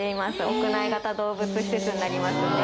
屋内型動物施設になりますね。